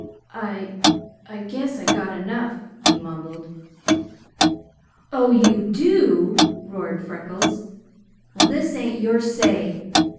"I I guess I got enough," he mumbled. "Oh, you do?" roared Freckles. "Well this ain't your say.